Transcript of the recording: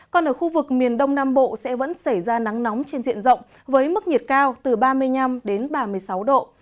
còn ở khu vực miền đông nam bộ sẽ vẫn xảy ra nắng nóng trên diện rộng với mức nhiệt cao từ ba mươi năm đến ba mươi sáu độ